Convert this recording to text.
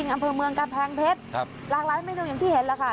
อำเภอเมืองกำแพงเพชรหลากหลายเมนูอย่างที่เห็นแล้วค่ะ